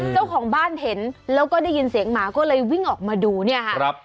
เจ้าของบ้านเห็นแล้วก็ได้ยินเสียงหมาก็เลยวิ่งออกมาดูเนี่ยค่ะ